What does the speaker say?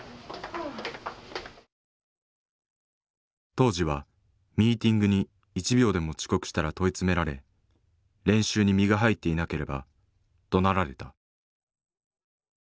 当時はミーティングに１秒でも遅刻したら問い詰められ練習に身が入っていなければどなられた。